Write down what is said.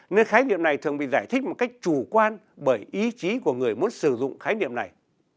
nên khái niệm này thường bị giải thích một cách chủ quan bởi ý chí của người muốn sử dụng khái niệm này